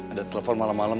ada telepon malam malam